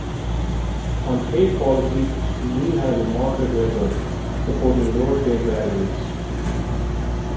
On trade policy, Neal has a moderate record, supporting lower trade barriers.